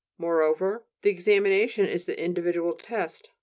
Moreover, the examination is the individual test.